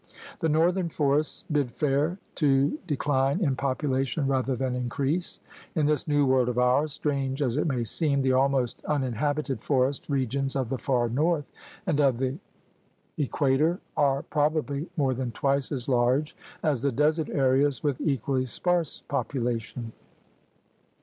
The north ern forests bid fair to decline in population rather than increase. In this New World of ours, strange as it may seem, the almost uninhabited forest regions of the far north and of the equator are 108 THE HED MAN'S CONTINENT probably more than twice as large as the desert areas with equally sparse population.